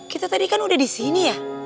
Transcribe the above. kita tadi kan udah di sini ya